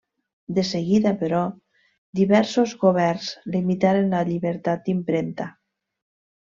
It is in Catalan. De seguida, però, diversos governs limitaren la llibertat d'impremta.